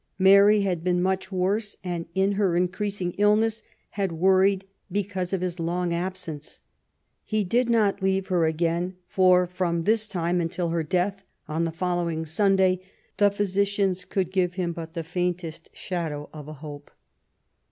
Mary had been much worse, and in her increasing illness had worried because of his long absence. He did not leave her again, for from this time until her death on the following Sunday, the physicians could give him but the faintest shadow of a hope.